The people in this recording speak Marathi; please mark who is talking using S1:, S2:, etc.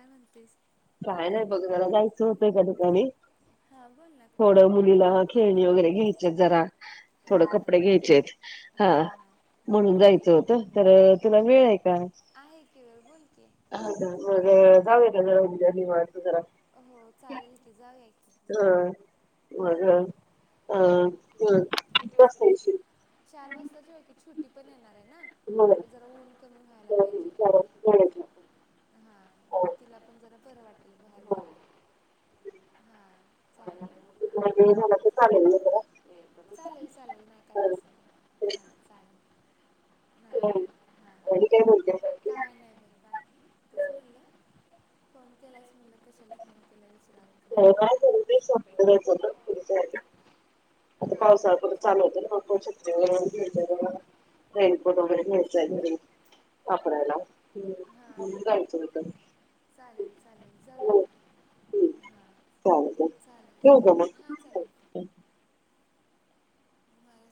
S1: काय म्हणतीस?
S2: काय नाही बघ मला जायचं होतं एका ठिकाणी थोडं मुलीला खेळणी वगैरे घ्यायचेत जरा थोडं
S1: हा हा
S2: कपडे घ्यायचेत
S1: हा
S2: हा म्हणून जायचं
S1: होते
S2: होतं तर तुला वेळ आहे का?
S1: आहे की वेळ बोल की आहे
S2: ह
S1: का
S2: मग जाउया
S1: जाऊया
S2: काय
S1: का
S2: जरा [unintelligible]
S1: उद्या
S2: जरा
S1: हो चालेल की जाऊया की.
S2: हा
S1: हा
S2: मग हम्
S1: किती
S2: तू किती वाजता येशील?
S1: छुटी पण येणार आहे ना
S2: बर.
S1: जरा ऊन कमी व्हायला पाहिजे
S2: [unintelligible]
S1: हा म्हणजे तिला पण जरा बरं वाटेल बाहेर
S2: हा.
S1: जरा. हा चालेल,
S2: तुला वेळ झाला तर चालेल ना जरा.
S1: चालेल, चालेल नाही काय तस काय हा चालेल. नाही
S2: हम् आणि काय बोलतेय
S1: हां
S2: बाकी
S1: काय नाही बघ बाकी तेच म्हणलं, फोन केलायस म्हणल कशाला फोन केला? विचार.
S2: कायचं ना आता
S1: हां हां
S2: पावसाळा परत चालू होतंय व रेनकोट वगैरे घ्यायचय घरी वापरायला ह्
S1: हां
S2: सांगून
S1: हां
S2: जायचं गं त्यांना.
S1: चालेल चालेल जाऊया की हां
S2: [inaudible] चालेल
S1: चालेल
S2: ठेवू का
S1: हां
S2: मग.
S1: चालेल ठीक
S2: [inaudible]
S1: मला